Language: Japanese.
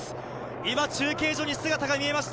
今、中継所に姿が見ました。